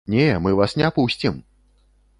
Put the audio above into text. Не, мы вас не пусцім!